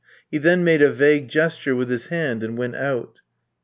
He then made a vague gesture with his hand and went out.